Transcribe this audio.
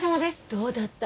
どうだった？